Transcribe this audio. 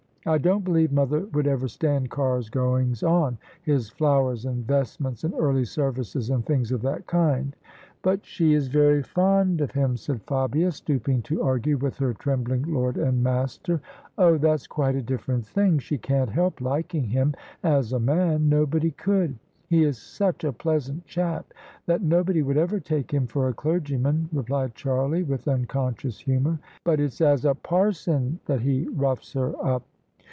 " I don't believe mother ^would ever stand Carr's goings on — ^his flowers and vestments and early services, and things of that kind." " But she is very fond of him," said Fabia^ stooping to argue with her trembling lord and master, " Oh I that's quite a di£Eerent thing. She can't help liking him as a man; nobody could: he is such a pleasant chap, that nobody would ever take him for a clergyman," replied Charlie, with unconscious humour: "but it's as a parson that he roughs her up."